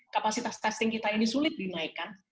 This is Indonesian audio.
kapasitas testing kita ini sulit dinaikkan